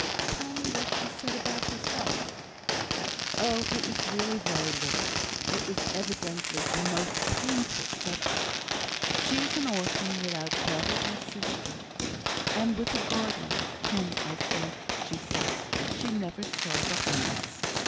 "Tell me what she said about herself." "Oh, it was really very little; it was evidently a most painful subject. She is an orphan, without brother or sister, and with a guardian, whom, I think she said, she never saw but once.